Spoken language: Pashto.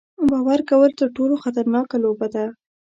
باور کول تر ټولو خطرناکه لوبه ده.